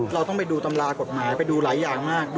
เราต้องไปดูตำรากฎหมายไปดูหลายอย่างมาก